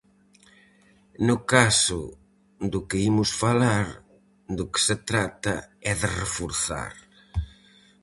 No caso do que imos falar, do que se trata é de reforzar.